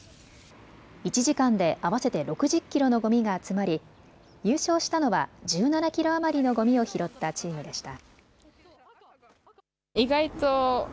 １時間で合わせて６０キロのごみが集まり優勝したのは１７キロ余りのごみを拾ったチームでした。